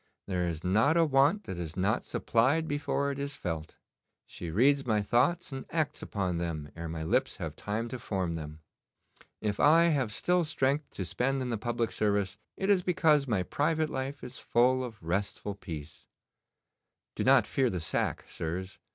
'There is not a want that is not supplied before it is felt. She reads my thoughts and acts upon them ere my lips have time to form them. If I have still strength to spend in the public service, it is because my private life is full of restful peace. Do not fear the sack, sirs.